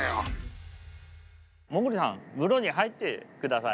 モグリさん室に入ってください。